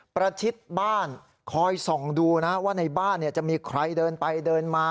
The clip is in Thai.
ประชิดบ้านคอยส่องดูนะว่าในบ้านจะมีใครเดินไปเดินมา